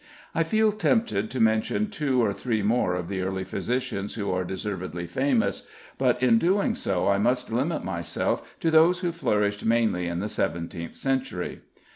I feel tempted to mention two or three more of the early physicians who are deservedly famous, but in doing so I must limit myself to those who flourished mainly in the seventeenth century.